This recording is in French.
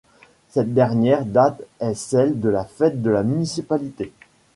Cette dernière date est celle de la fête de la municipalité.